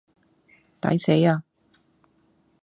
抵死呀